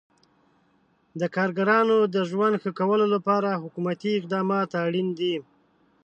د کارګرانو د ژوند ښه کولو لپاره حکومتي اقدامات اړین دي.